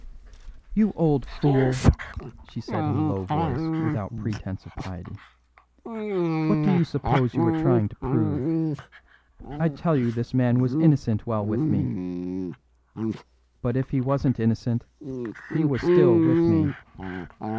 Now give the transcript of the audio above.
"You old fool!" she said in a low voice without pretence of piety, "what do you suppose you are trying to prove? I tell you this man was innocent while with me. But if he wasn't innocent, he was still with me.